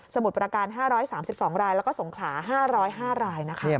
สมุดปราการ๕๓๒รายแล้วก็สงขา๕๐๕ราย